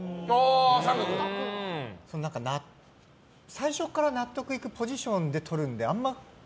最初から納得いくポジションで撮るんであんま。